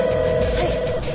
はい。